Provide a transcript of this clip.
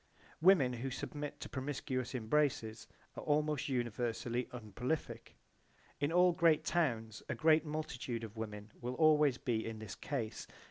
Women who submit to promiscuous embraces are almost universally unprolific. In all great towns a great multitude of women will always be in this case.